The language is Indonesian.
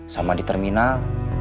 sama di terminal